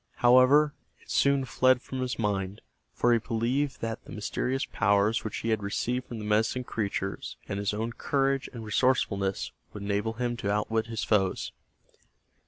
However, it soon fled from his mind, for he believed that the mysterious powers which he had received from the medicine creatures, and his own courage and resourcefulness, would enable him to outwit his foes.